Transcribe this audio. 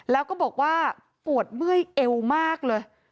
แล้วก็บอกว่าปวดเมื่อยเอวมากเลย